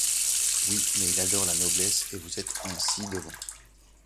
Oui, mais il adore la noblesse et vous êtes un ci-devant!